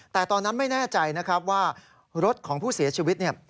แต่ตอนนั้นไม่แน่ใจนะครับว่ารถของผู้เสียชีวิตเนี่ย